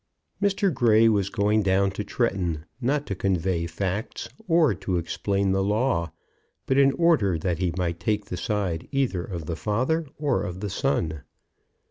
Mr. Grey was going down to Tretton, not to convey facts or to explain the law, but in order that he might take the side either of the father or of the son.